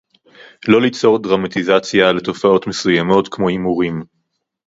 לא ליצור דרמטיזיציה לתופעות מסוימות כמו הימורים